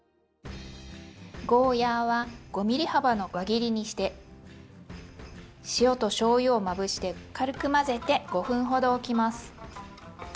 ゴーヤーは５ｍｍ幅の輪切りにして塩としょうゆをまぶして軽く混ぜて５分ほどおきます。